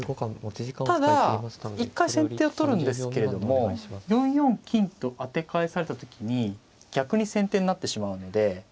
ただ一回先手を取るんですけれども４四金と当て返された時に逆に先手になってしまうので。